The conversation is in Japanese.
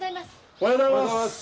おはようございます。